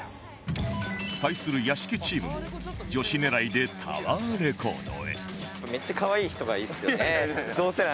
対する屋敷チームも女子狙いでタワーレコードへ